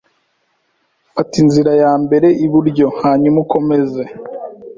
Fata inzira yambere iburyo hanyuma ukomeze.